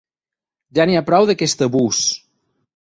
Ja n’hi ha prou d’aquest abús.